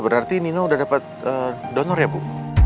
berarti nino udah dapet donor ya bu